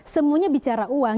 semuanya bicara uang